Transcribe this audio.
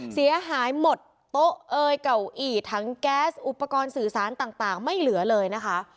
เสียหายหมดโต๊ะเอ่ยเก่าอี้ทั้งแก๊สอุปกรณ์สื่อสารต่างไม่เหลือเลยนะคะ